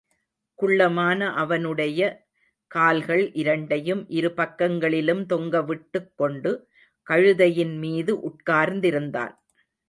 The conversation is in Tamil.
குள்ளமான அவனுடைய கால்கள் இரண்டையும் இரு பக்கங்களிலும் தொங்கவிட்டுக் கொண்டு, கழுதையின் மீது உட்கார்ந்திருந்தான்.